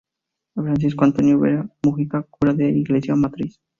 Francisco Antonio Vera Mujica, cura de la iglesia matriz.